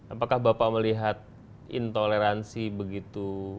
apakah bapak melihat intoleransi begitu